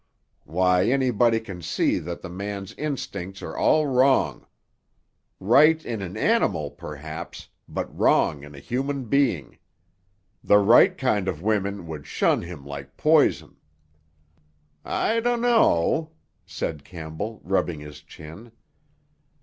Why, anybody can see that the man's instincts are all wrong. Right in an animal perhaps, but wrong in a human being. The right kind of women would shun him like poison." "I dunno," said Campbell, rubbing his chin.